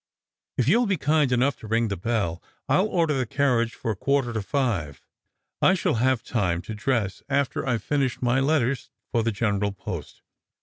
" If you'll be kind enough to ring the bell, I'll order the carriage for a quarter to five. I shall have time to dress after I've finished my letters for the general post."